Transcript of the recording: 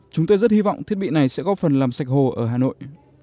chúng tôi rất hy vọng thiết bị này sẽ góp phần làm sạch hồ ở hà nội